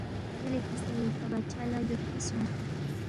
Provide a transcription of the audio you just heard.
یلےکسل تا بادشاہ لہ گیودپہ سونگس